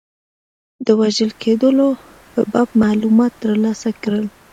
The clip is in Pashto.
د وژل کېدلو په باب معلومات ترلاسه کړل.